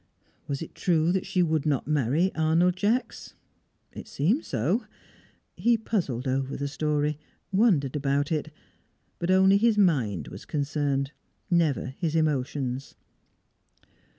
Was it true that she would not marry Arnold Jacks? It seemed so. He puzzled over the story, wondered about it; but only his mind was concerned, never his emotions.